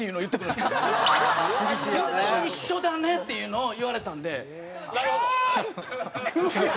「ずっと一緒だね」っていうのを言われたんでクーッ！